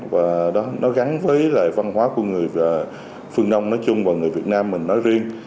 và nó gắn với lại văn hóa của người phương đông nói chung và người việt nam mình nói riêng